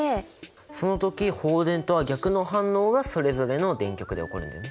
その時放電とは逆の反応がそれぞれの電極で起こるんだよね。